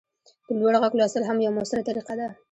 په لوړ غږ لوستل هم یوه مؤثره طریقه ده.